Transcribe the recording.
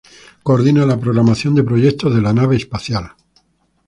Coordina la programación de proyectos de La Nave Espacial.